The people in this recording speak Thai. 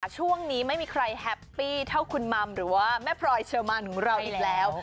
ช่วงนี้ไม่มีใครแฮปปี้เท่าคุณมัมหรือว่าแม่พลอยเชอร์มานของเราอีกแล้ว